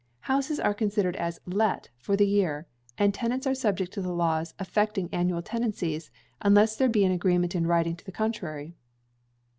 Houses are considered as let for the year, and the tenants are subject to the laws affecting annual tenancies, unless there be an agreement in writing to the contrary.